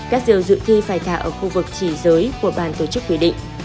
các diều dự thi phải thả ở khu vực chỉ dưới của ban tổ chức quy định